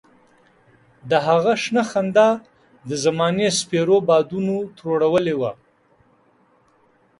د هغه شنه خندا د زمانې سپېرو بادونو تروړلې وه.